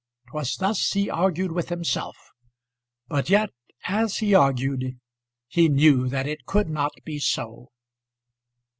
'Twas thus he argued with himself; but yet, as he argued, he knew that it could not be so.